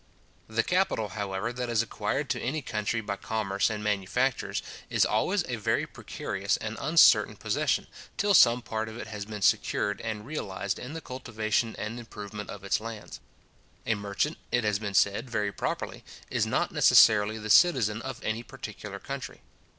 The capital, however, that is acquired to any country by commerce and manufactures, is always a very precarious and uncertain possession, till some part of it has been secured and realized in the cultivation and improvement of its lands. A merchant, it has been said very properly, is not necessarily the citizen of any particular country.